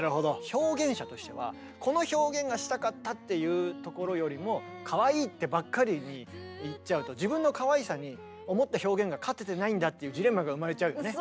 表現者としてはこの表現がしたかったっていうところよりも「かわいい」ってばっかりにいっちゃうと自分のかわいさに思った表現が勝ててないんだっていうジレンマが生まれちゃうよね。